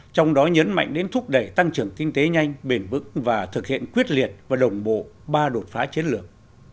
trong đó nhấn mạnh đến thúc đẩy tăng trưởng kinh tế nhanh bền vững và thực hiện quyết liệt và đồng bộ ba đột phá chiến lược